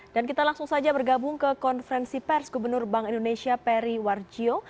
dan kita langsung saja bergabung ke konferensi pers gubernur bank indonesia peri warjio